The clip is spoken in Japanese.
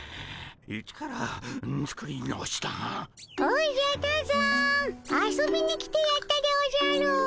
おじゃ多山遊びに来てやったでおじゃる。